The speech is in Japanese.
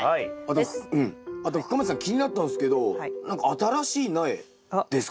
あと深町さん気になったんすけど何か新しい苗ですか？